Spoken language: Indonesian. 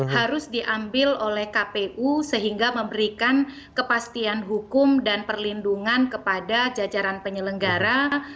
harus diambil oleh kpu sehingga memberikan kepastian hukum dan perlindungan kepada jajaran penyelenggara